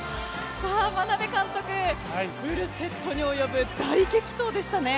眞鍋監督フルセットに及ぶ大激闘でしたね。